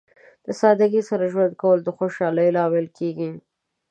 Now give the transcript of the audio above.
د سادګۍ سره ژوند کول د خوشحالۍ لامل کیږي.